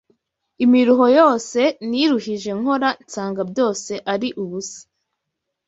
imiruho yose niruhije nkora nsanga byose ari ubusa